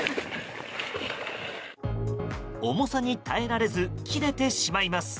重さに耐えられず切れてしまいます。